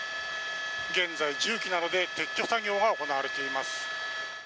現在、重機などで撤去作業が行われています。